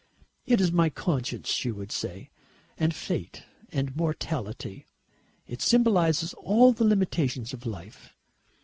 "It is my conscience," she would say, "and fate and mortality. It symbolises all the limitations of life.